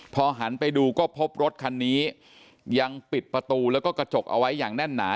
พอหันไปดูก็พบรถคันนี้ยังปิดประตูแล้วก็กระจกเอาไว้อย่างแน่นหนา